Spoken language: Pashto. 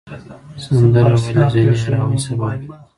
سندره ویل د ذهني آرامۍ سبب دی.